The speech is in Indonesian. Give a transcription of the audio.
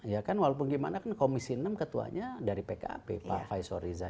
ya kan walaupun gimana kan komisi enam ketuanya dari pkb pak faisal riza